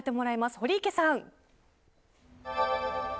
堀池さん。